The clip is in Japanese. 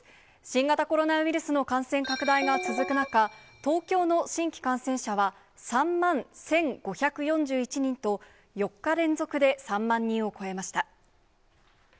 新型コロナウイルスの感染拡大が続く中、東京の新規感染者は、３万１５４１人と４日連続で３万人を超えました。